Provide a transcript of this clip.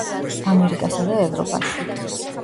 ამერიკასა და ევროპაში.